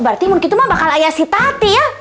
berarti mungkin mah bakal ayah si tati ya